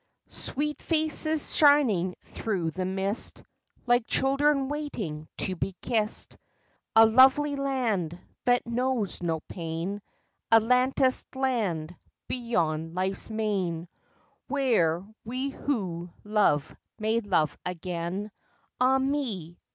5 Sweet faces shining through the mist Like children waiting to be kissed ; A lovely land that knows not pain ; Atlantis land beyond Life's main, Where we who love may love again — Ah me